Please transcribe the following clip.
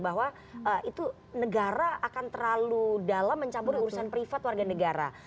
bahwa itu negara akan terlalu dalam mencabut urusan privat warga negara